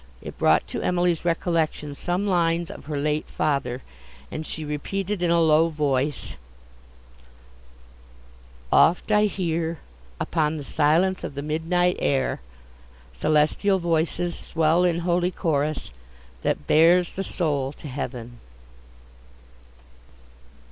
It brought to Emily's recollection some lines of her late father, and she repeated in a low voice, Oft I hear, Upon the silence of the midnight air, Celestial voices swell in holy chorus That bears the soul to heaven!